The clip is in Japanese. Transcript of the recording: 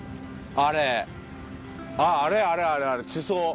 あれあれあれあれ地層。